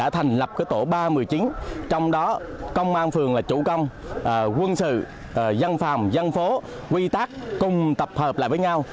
tổ ba mươi chín trong đó công an phường là chủ công quân sự dân phòng dân phố quy tắc cùng tập hợp lại với nhau